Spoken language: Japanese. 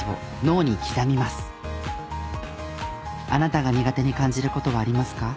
あなたが苦手に感じる事はありますか？